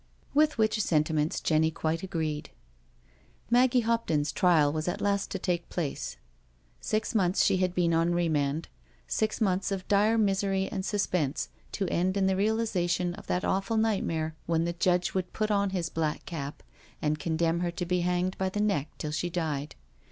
With which sentiments Jenny quite agreed. Maggie Hopton's trial was at last to take place. 298 NO SURRENDER Six months she had been on remand — six months of dire misery and suspense, to end in the realisation of that awful nightmare when the judge would put on his black cap, and condemn her to be hanged by the neck till she died.